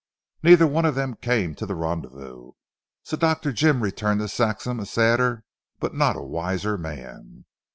Neither one of them came to the rendezvous, so Dr. Jim returned to Saxham a sadder but not a wiser man.